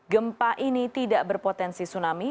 gempa ini tidak berpotensi tsunami